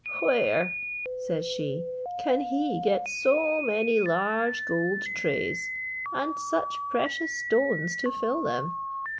"Where," says she, "can he get so many large gold trays, and such precious stones to fill them?